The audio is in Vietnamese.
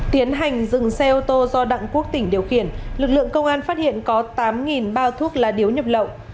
tiến hành dừng xe ô tô do đặng quốc tỉnh điều khiển lực lượng công an phát hiện có tám bao thuốc lá điếu nhập lậu